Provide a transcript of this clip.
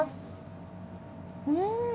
うん。